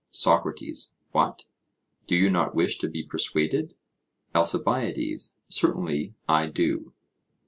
SOCRATES: What, do you not wish to be persuaded? ALCIBIADES: Certainly I do.